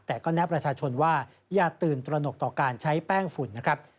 แต่ก็แนะประชาชนว่าอย่าตื่นตระหนกต่อการใช้แป้งฝุ่นนะครับ